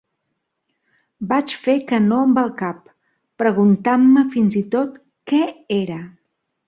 Vaig fer que no amb el cap, preguntant-me fins i tot què era.